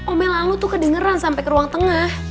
omelan lu tuh kedengeran sampe ke ruang tengah